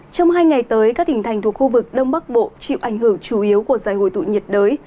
trong hai ngày tới các tỉnh thành thuộc khu vực đông bắc bộ chịu ảnh hưởng chủ yếu của giải hồi tụ nhiệt đới